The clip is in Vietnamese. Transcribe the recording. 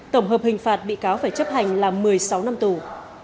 tổng hợp hình phạt bị cáo phải chấp hành là một mươi sáu năm tù